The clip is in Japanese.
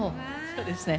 そうですね。